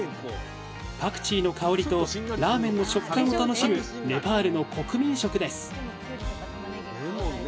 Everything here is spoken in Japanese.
パクチーの香りとラーメンの食感を楽しむネパールの国民食です